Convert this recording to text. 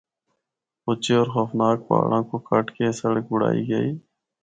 اُچے ہور خوفناک پہاڑاں کو کٹ اے سڑک بنڑائی گئی۔